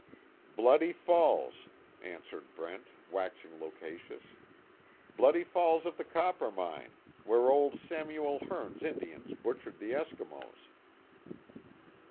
"Bloody Falls," answered Brent, waxing loquacious. "Bloody Falls of the Coppermine, where old Samuel Hearne's Indians butchered the Eskimos."